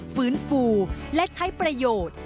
ฟื้นฟูและใช้ประโยชน์